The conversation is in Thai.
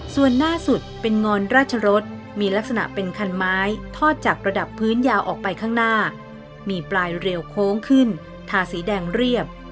ส่วนหน้าสุดเป็นงอนราชรสมีลักษณะเป็นคันไม้ทอดจากระดับพื้นยาวออกไปข้างหน้ามีปลายเรียวโค้งขึ้นทาสีแดงเรียบ